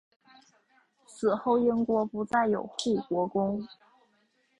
此后英国不再有护国公。